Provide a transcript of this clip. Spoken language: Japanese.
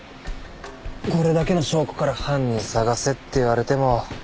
これだけの証拠から犯人捜せって言われても。